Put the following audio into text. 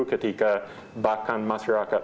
ketika bahkan masyarakat